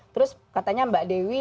terus katanya mbak dewi